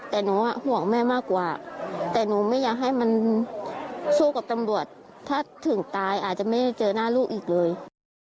ที่สามีมอบตัวตลอดแต่สามีก็ไม่ยอม